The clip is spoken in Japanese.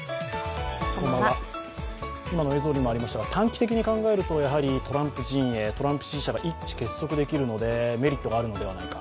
今の映像にもありましたが短期的に考えるとやはりトランプ陣営、トランプ支持者が一致団結できるのでメリットがあるのではいなか。